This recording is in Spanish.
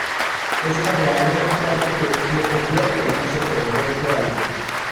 Es un agradable contraste que lo convierte en un sorprendente álbum.